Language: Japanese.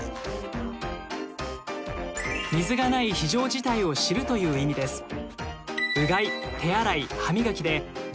水がない非常事態を知るという意味です。